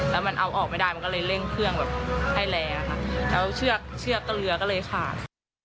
แล้วมันเอาออกไม่ได้มันก็เลยเร่งเครื่องให้แรกแล้วเชือกกระเรือก็เลยขาด